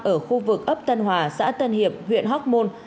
ở khu vực ấp tân hòa xã tân hiệp huyện hóc môn